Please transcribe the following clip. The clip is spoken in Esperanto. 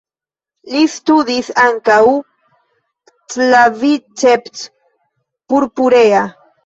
Li studis ankaŭ "Claviceps purpurea.